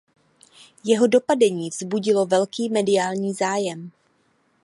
Jeho dopadení vzbudilo velký mediální zájem.